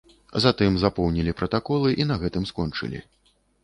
Затым запоўнілі пратаколы і на гэтым скончылі.